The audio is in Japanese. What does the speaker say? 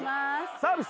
サービス。